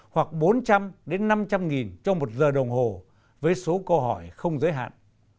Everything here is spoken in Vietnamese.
hoặc bốn trăm linh năm trăm linh nghìn trong một giờ đồng hồ với số câu hỏi không giới hạn